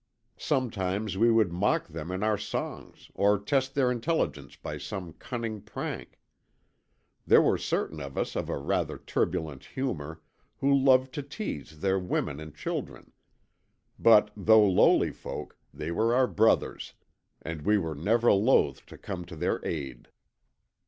Sometimes we would mock them in our songs or test their intelligence by some cunning prank. There were certain of us of a rather turbulent humour who loved to tease their women and children, but though lowly folk, they were our brothers, and we were never loath to come to their aid.